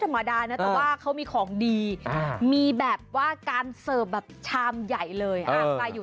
ธรรมดานะแต่ว่าเขามีของดีมีแบบว่าการเสิร์ฟแบบชามใหญ่เลย